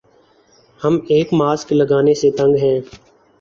ہم ایک ماسک لگانے سے تنگ ہیں